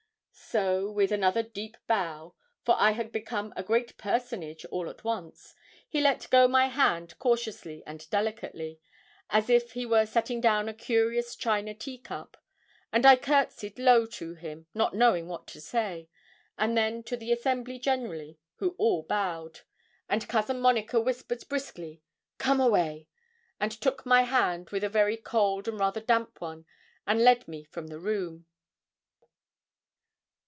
So, with another deep bow for I had become a great personage all at once he let go my hand cautiously and delicately, as if he were setting down a curious china tea cup. And I courtesied low to him, not knowing what to say, and then to the assembly generally, who all bowed. And Cousin Monica whispered, briskly, 'Come away,' and took my hand with a very cold and rather damp one, and led me from the room.